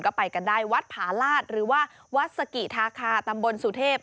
ก็ไปกันได้วัดผาลาศหรือว่าวัดสกิธาคาตำบลสุเทพ